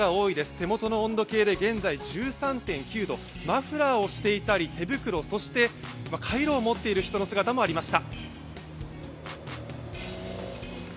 手元の温度計で現在１３．９度マフラーをしていたり手袋、そしてかいろを持っている人の姿もありました。